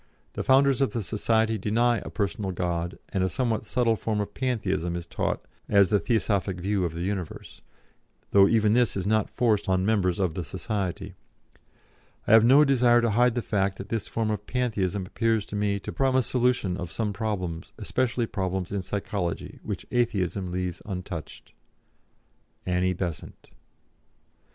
The founders of the society deny a personal God, and a somewhat subtle form of Pantheism is taught as the Theosophic view of the universe, though even this is not forced on members of the society. I have no desire to hide the fact that this form of Pantheism appears to me to promise solution of some problems, especially problems in psychology, which Atheism leaves untouched. "ANNIE BESANT."